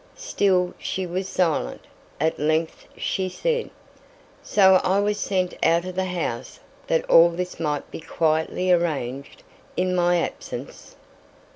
Still she was silent. At length she said, "So I was sent out of the house that all this might be quietly arranged in my absence?"